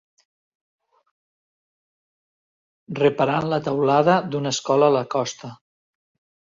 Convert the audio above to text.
Reparant la teulada d'una escola a la costa